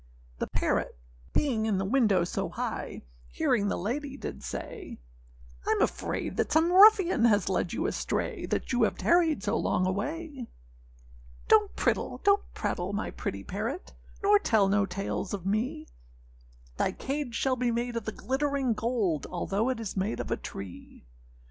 The parrot being in the window so high, Hearing the lady, did say, âIâm afraid that some ruffian has led you astray, That you have tarried so long away.â âDonât prittle nor prattle, my pretty parrot, Nor tell no tales of me; Thy cage shall be made of the glittering gold, Although it is made of a tree.